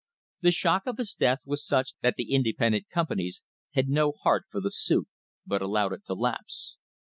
The shock of his death was such that the independent companies had no heart for the suit, but allowed it to lapse.